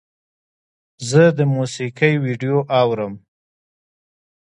زه د موسیقۍ ویډیو اورم.